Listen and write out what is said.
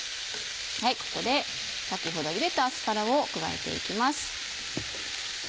ここで先ほどゆでたアスパラを加えていきます。